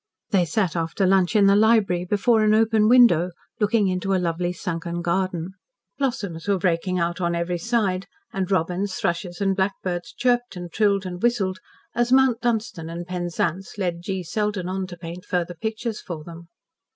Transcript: They sat after lunch in the library, before an open window, looking into a lovely sunken garden. Blossoms were breaking out on every side, and robins, thrushes, and blackbirds chirped and trilled and whistled, as Mount Dunstan and Penzance led G. Selden on to paint further pictures for them.